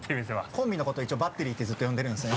コンビのこと一応バッテリーってずっと呼んでるんですね